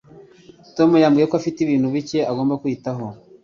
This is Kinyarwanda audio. Tom yambwiye ko afite ibintu bike agomba kwitaho.